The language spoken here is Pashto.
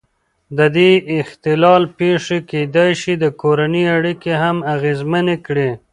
د دې اختلال پېښې کېدای شي د کورنۍ اړیکې هم اغېزمنې کړي.